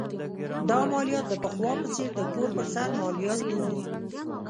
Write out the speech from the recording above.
دا مالیات د پخوا په څېر د کور پر سر مالیات نه دي.